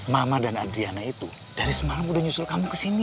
mama dan adriana itu dari semalam udah nyusul kamu ke sini